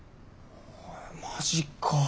マジかあ。